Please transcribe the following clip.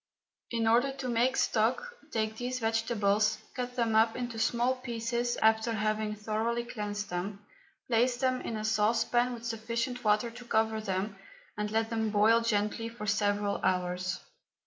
In order to make stock, take these vegetables, cut them up into small pieces, after having thoroughly cleansed them, place them in a saucepan with sufficient water to cover them, and let them boil gently for several hours.